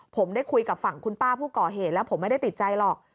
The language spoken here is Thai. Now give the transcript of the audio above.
ผมได้คุยกับฝั่งคุณป้าผู้ก่อเหตุแล้วผมไม่ได้ติดใจหรอก